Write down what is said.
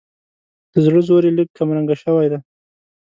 د زړه زور یې لږ کمرنګه شوی دی.